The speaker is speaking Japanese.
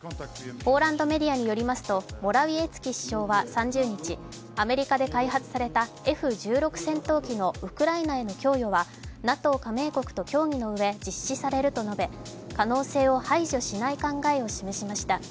ポーランドメディアによりますとモラウィエツキ首相は３０日、アメリカで開発されたＦ−１６戦闘機のウクライナへの供与はＮＡＴＯ加盟国と協議の上実施されると述べ、可能性を排除しない考えを示しました。